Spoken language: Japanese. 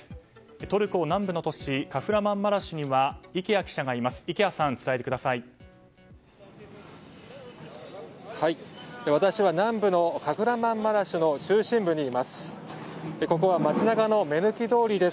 トルコ南部の都市カフラマンマラシュには池谷記者がいます。